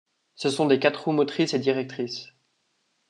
Ce sont des quatre roues motrices et directrices.